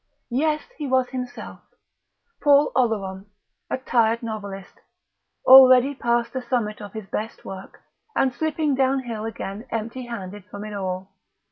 Yes, he was himself, Paul Oleron, a tired novelist, already past the summit of his best work, and slipping downhill again empty handed from it all.